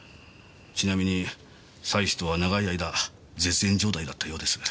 ちなみに妻子とは長い間絶縁状態だったようです。